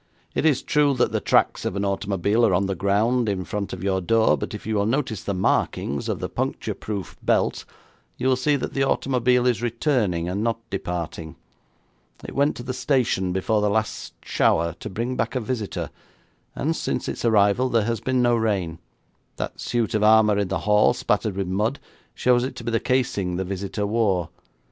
'It is true that the tracks of an automobile are on the ground in front of your door, but if you will notice the markings of the puncture proof belt, you will see that the automobile is returning and not departing. It went to the station before the last shower to bring back a visitor, and since its arrival there has been no rain. That suit of armour in the hall spattered with mud shows it to be the casing the visitor wore.